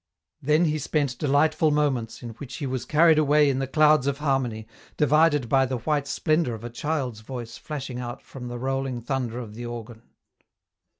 Then he spent delightful moments, in which he was carried away in the clouds of harmony, divided by the white splendour of a child's voice flashing out from the rolling thunder of the organ.